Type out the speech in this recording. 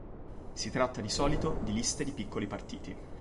Si tratta di solito di liste di piccoli partiti.